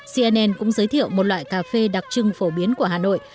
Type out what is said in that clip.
cnn cũng giới thiệu một loại cà phê đặc trưng phổ biến của hà nội